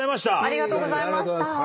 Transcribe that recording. ありがとうございます。